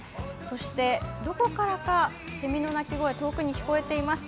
そして、どこからかセミの鳴き声、遠くに聞こえています。